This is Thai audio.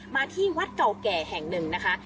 มาที่วัดเก่าแก่แห่งหนึ่งนะคะ